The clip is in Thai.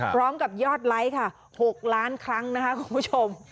พร้อมกับยอดไลค์ค่ะ๖ล้านครั้งนะคะคุณผู้ชม